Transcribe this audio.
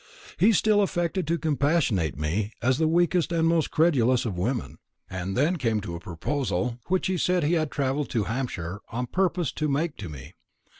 He still affected to compassionate me as the weakest and most credulous of women, and then came to a proposal which he said he had travelled to Hampshire on purpose to make to me.